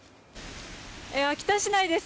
秋田市内です。